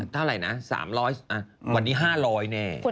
เท่าไหร่นะ๓๐๐วันนี้๕๐๐แน่